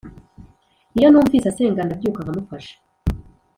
iyo numvise asenga ndabyuka nkamufasha.